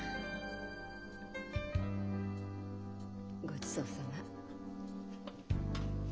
ごちそうさま。